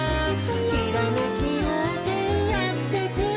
「ひらめきようせいやってくる」